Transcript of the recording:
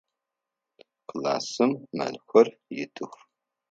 Классым мэлхэр итых.